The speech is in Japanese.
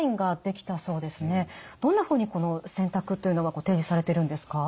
どんなふうにこの選択というのが提示されてるんですか？